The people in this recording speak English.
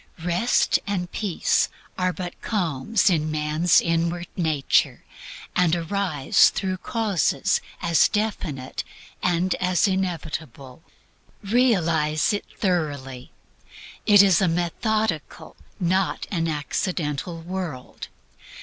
Rest and Peace are but calms in man's inward nature, and arise through causes as definite and as inevitable. Realize it thoroughly; it is a methodical, not an accidental world.